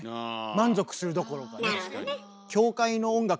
満足するどころかね。